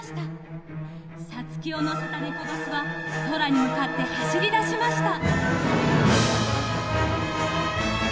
サツキを乗せたネコバスは空に向かって走りだしました！